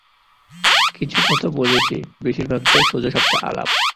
কিছু কথা বলেছি, বেশিরভাগটাই সোজাসাপটা আলাপ।